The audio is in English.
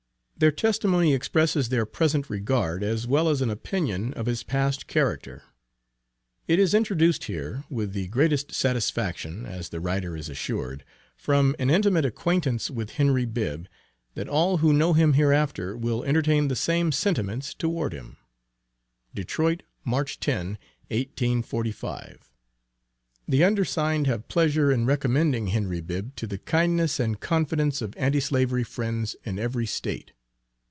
Their testimony expresses their present regard as well as an opinion of his past character. It is introduced here with the greatest satisfaction, as the writer is assured, from an intimate acquaintance with Henry Bibb, that all who know him hereafter will entertain the same sentiments toward him: DETROIT, March 10, 1845. The undersigned have pleasure in recommending Henry Bibb to the kindness and confidence of Anti slavery friends in every State.